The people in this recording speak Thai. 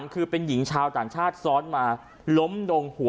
ก็แค่มีเรื่องเดียวให้มันพอแค่นี้เถอะ